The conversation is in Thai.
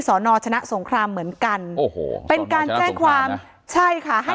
สอนอชนะสงครามเหมือนกันโอ้โหเป็นการแจ้งความใช่ค่ะให้